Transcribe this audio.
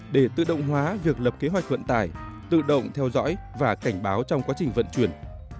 để tự động hóa việc lập kế hoạch vận tải tự động theo dõi và cảnh báo trong quá trình vận chuyển